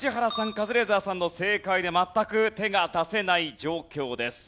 カズレーザーさんの正解で全く手が出せない状況です。